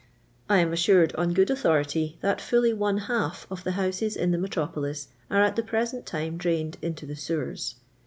I anj assured, on g»od authority, tliat fully one half of the houses in the nicLMjioIi.s arc at the prf.sei.t time drained into the Rewer*.